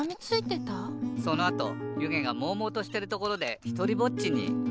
そのあとゆげがもうもうとしてるところでひとりぼっちに。